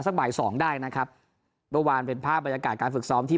บ่ายสองได้นะครับเมื่อวานเป็นภาพบรรยากาศการฝึกซ้อมที่